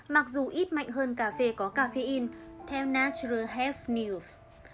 mặc dù ít mạnh hơn cà phê có cà phê in theo natural health news